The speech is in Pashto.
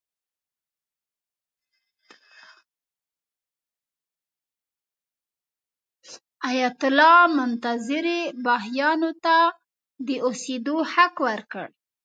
ایت الله منتظري بهايانو ته د اوسېدو حق ورکړ.